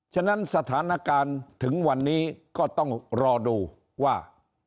ฉะนั้นสถานการณ์ถึงวันนี้ก็ต้องรอดูว่า